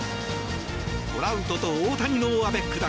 トラウトと大谷のアベック弾